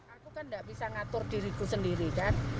aku kan gak bisa ngatur diriku sendiri kan